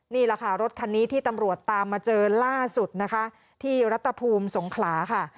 นี่แหละค่ะรถคันนี้ที่ตำรวจตามมาเจอล่าสุดนะคะที่รัฐภูมิสงขลาค่ะ